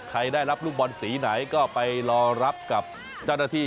ได้รับลูกบอลสีไหนก็ไปรอรับกับเจ้าหน้าที่